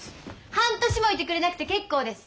半年もいてくれなくて結構です。